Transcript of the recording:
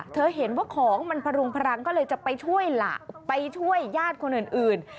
เห็นว่าของมันพรุงพลังก็เลยจะไปช่วยล่ะไปช่วยญาติคนอื่น